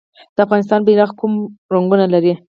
د افغانستان بیرغ کوم رنګونه لري؟